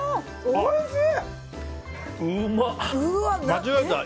おいしい！